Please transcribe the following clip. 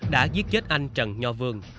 đã giết chết anh trần nhò vương